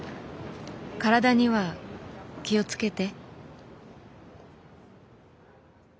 体には気をつけて。